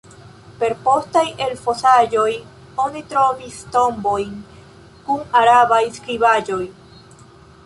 Per postaj elfosaĵoj oni trovis tombojn kun arabaj skribaĵoj.